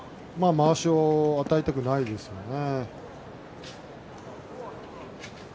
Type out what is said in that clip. まわしを与えたくないですよね。